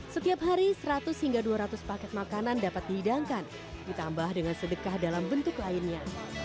setiap hari seratus hingga dua ratus paket makanan dapat dihidangkan ditambah dengan sedekah dalam bentuk lainnya